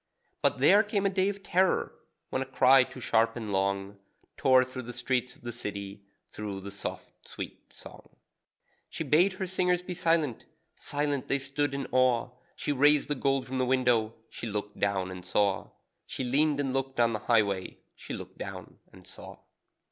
But there came a day of terror, when a cry too sharp and long Tore through the streets of the city, through the soft, sweet song. She bade her singers be silent silent they stood in awe; She raised the gold from the window; she looked down and saw. (She leaned and looked on the highway, She looked down and saw.)